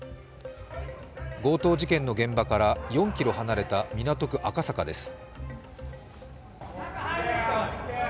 強盗事件の現場から４ｋｍ離れた港区赤坂です。